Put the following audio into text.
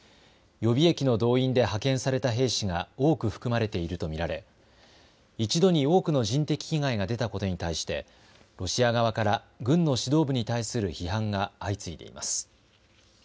予備役の動員で派遣された兵士が多く含まれていると見られ一度に多くの人的被害が出たことに対してロシア側から軍の指導部に対する批判が相次いでいます。